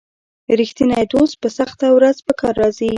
رښتینی دوست په سخته ورځ په کار راځي.